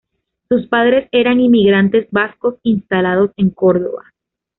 Sus padres eran inmigrantes vascos instalados en Córdoba.